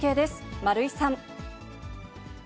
丸井さん。